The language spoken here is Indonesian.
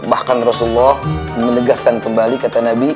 bahkan rasulullah menegaskan kembali kata nabi